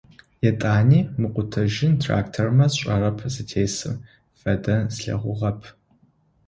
Етӏани мыкъутэжьын трактормэ сшӏэрэп зытесыр, фэдэ слъэгъугъэп.